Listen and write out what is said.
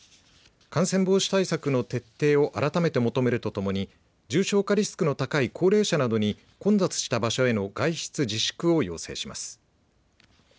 感染防止対策の徹底を改めて求めるとともに重症化リスクの高い高齢者などに混雑した場所への外出自粛を要請します。